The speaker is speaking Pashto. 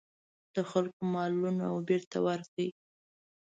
د خلکو مالونه بېرته ورکړي.